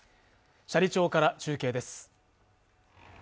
斜里町から中継です。